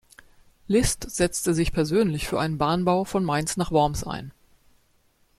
List setzte sich persönlich für einen Bahnbau von Mainz nach Worms ein.